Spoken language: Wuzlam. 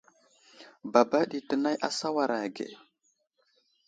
Baba ɗi tənay a sawaray age.